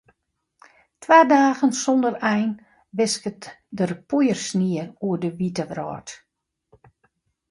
Twa dagen sonder ein wisket der poeiersnie oer de wite wrâld.